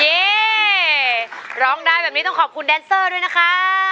นี่ร้องได้แบบนี้ต้องขอบคุณแดนเซอร์ด้วยนะคะ